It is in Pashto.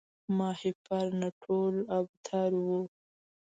ماهیپر نه ټول ابتر وو